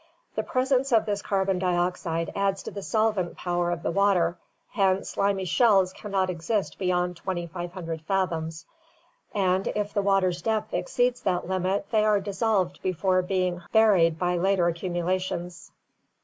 The presence of this carbon dioxide adds to the solvent power of the water, hence limy shells can not exist beyond 2500 fathoms, and, if the water's depth exceeds that limit, they are dissolved before being buried by later accumulations.